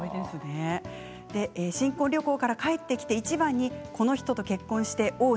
新婚旅行から帰ってきていちばんにこの人と結婚しておお！